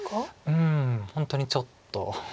うん本当にちょっと。